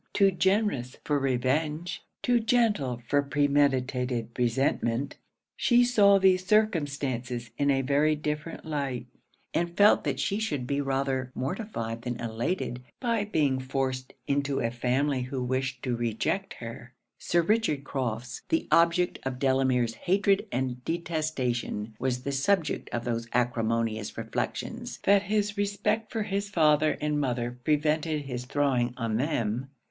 Too generous for revenge; too gentle for premeditated resentment; she saw these circumstances in a very different light, and felt that she should be rather mortified than elated by being forced into a family who wished to reject her. Sir Richard Crofts, the object of Delamere's hatred and detestation, was the subject of those acrimonious reflections that his respect for his father and mother prevented his throwing on them.